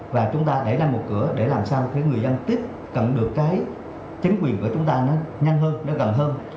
và chúng ta để ra một cửa để làm sao cái người dân tiếp cận được cái chính quyền của chúng ta nó nhanh hơn nó gần hơn